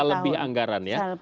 sisa lebih anggaran ya